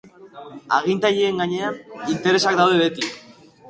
Agintarien gainean interesak daude beti.